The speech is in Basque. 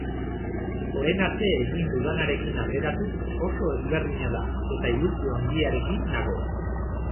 Orain arte egin dudanarekin alderatuz oso ezberdina da, eta ilusio handiarekin nago.